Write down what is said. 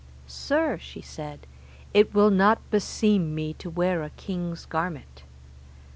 Sir, she said, It will not beseem me to wear a king's garment.